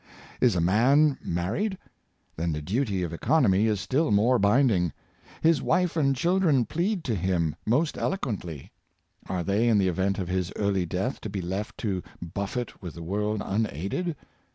Is a man mar ried.^ Then the duty of economy is still more binding. His wife and children plead to him most eloquently. Are the3^ in the event of his early death, to be left to buffet with the world unaided.